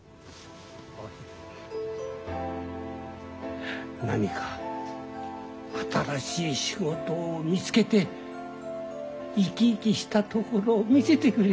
おい何か新しい仕事を見つけて生き生きしたところを見せてくれ。